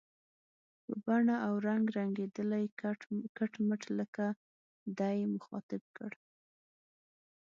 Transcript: په بڼه او رنګ رنګېدلی، کټ مټ لکه دی، مخاطب کړ.